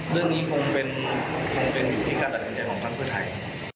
เรื่องนี้คงเป็นอยู่ที่การลักษณ์ใจของความคุยไทย